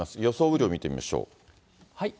雨量を見てみましょう。